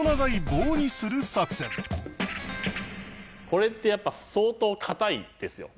これってやっぱ相当硬いんですよ